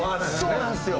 そうなんですよ！